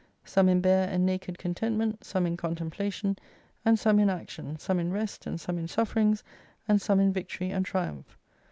Some in bare and naked contentment, some in contemplation, and some in action ; some in rest and some in sufferings, and some in victory and triumph.